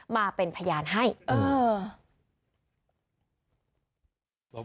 มาเป็นพยานให้เออ